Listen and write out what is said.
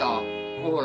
ほら。